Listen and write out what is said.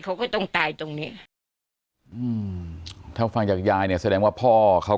เขาก็ต้องตายตรงนี้อืมถ้าฟังจากยายเนี่ยแสดงว่าพ่อเขา